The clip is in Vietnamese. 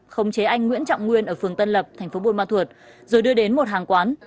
khống chế anh nguyễn trọng nguyên ở phường tân lập thành phố buôn ma thuột rồi đưa đến một hàng quán